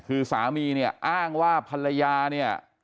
คือสามีเนี่ยอ้างว่าภรรยาเนี่ย